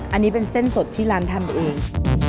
อันนี้เป็นเส้นสดที่ร้านทำเอง